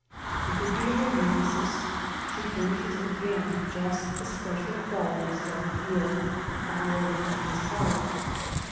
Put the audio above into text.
If he be a romanticist, she furnishes again just the special qualities that appeal primarily to his heart.